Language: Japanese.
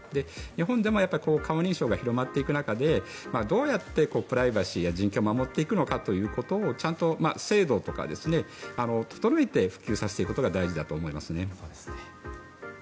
日本でも顔認証が広まっていく中でどうやってプライバシーや人権を守っていくのかということをちゃんと制度とかを整えて普及させていくことが大事だと思います。